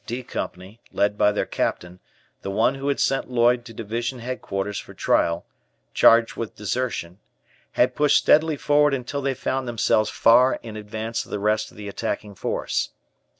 "D" Company, led by their Captain, the one who had sent Lloyd to Division Headquarters for trial, charged with desertion, had pushed steadily forward until they found themselves far in advance of the rest of the attacking force.